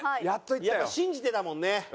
やっぱ信じてたもんね。